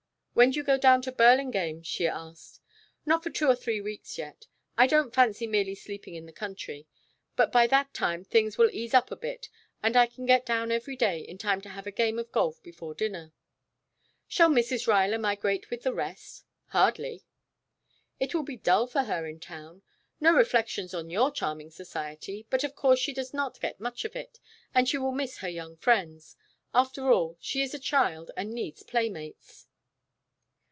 "When do you go down to Burlingame?" she asked. "Not for two or three weeks yet. I don't fancy merely sleeping in the country. But by that time things will ease up a bit and I can get down every day in time to have a game of golf before dinner." "Shall Mrs. Ruyler migrate with the rest?" "Hardly." "It will be dull for her in town. No reflections on your charming society, but of course she does not get much of it, and she will miss her young friends. After all, she is a child and needs playmates."